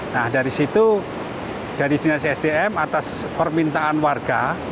nah dari situ dari dinas sdm atas permintaan warga